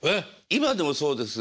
今でもそうです。